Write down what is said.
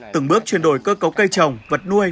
từng bước chuyển đổi cơ cấu cây trồng vật nuôi